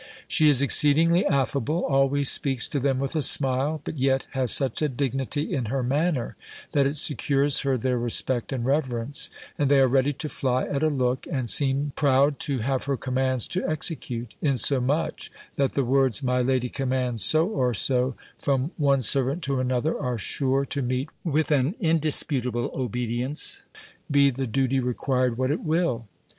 She is exceedingly affable; always speaks to them with a smile; but yet has such a dignity in her manner, that it secures her their respect and reverence; and they are ready to fly at a look, and seem proud to have her commands to execute; insomuch, that the words "My lady commands so, or so," from one servant to another, are sure to meet with an indisputable obedience, be the duty required what it will.